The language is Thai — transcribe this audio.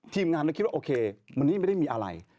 ทีมงานคิดว่าอาทิตย์คือโอเคที่มันไม่มีอะไร